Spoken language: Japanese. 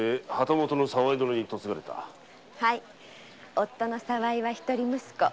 夫の沢井は一人息子。